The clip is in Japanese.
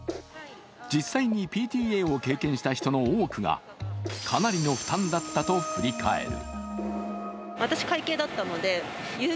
実際にＰＴＡを経験した人の多くがかなりの負担だったと振り返る。